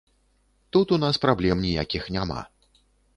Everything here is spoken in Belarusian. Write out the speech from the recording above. Тут у нас праблем ніякіх няма.